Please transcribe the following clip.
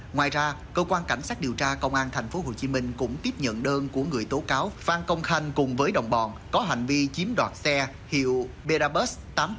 ngoài ra cơ quan cảnh sát điều tra công an thành phố hồ chí minh cũng tiếp nhận đơn của người tố cáo phan công khanh cùng với đồng bọn có hành vi chiếm đoạt xe hiệu berabus tám trăm linh